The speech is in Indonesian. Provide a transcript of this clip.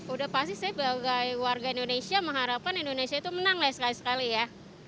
udah pasti saya sebagai warga indonesia mengharapkan indonesia itu menang lah sekali sekali ya